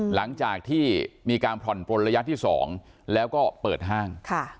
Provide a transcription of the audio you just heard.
หลังจากที่มีการผ่อนปลนระยะที่๒แล้วก็เปิดห้าง